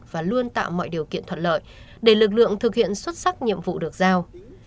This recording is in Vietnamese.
và luôn tạo mọi điều kiện thuận lợi để lực lượng thực hiện xuất sắc nhiệm vụ được giao